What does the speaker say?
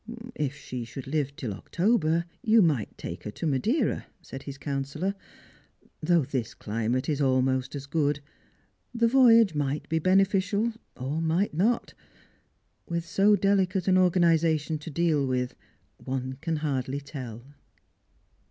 " If she should live till October, you might take her to Madeira," said liis counsellor, "though this climate is almost as good. The voyage might be beneficial, or might not. With so delicate an organisation to deal with, one can hardly tell."